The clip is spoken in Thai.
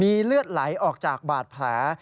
มีเลือดไหลออกจากบาดแผล